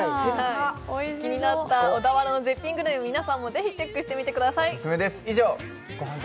気になった小田原の絶品グルメ、ぜひ皆さんもチェックしてください。